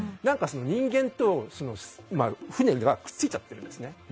人間と船がくっついちゃってるんですね。